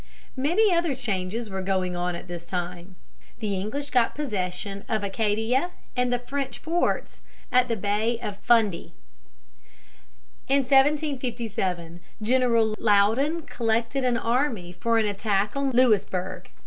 Many other changes were going on at this time. The English got possession of Acadia and the French forts at the head of the Bay of Fundy. In 1757 General Loudon collected an army for an attack on Louisburg.